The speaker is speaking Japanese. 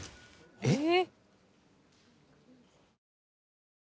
えっ？